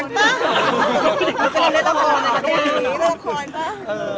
เย่ราคอนปะ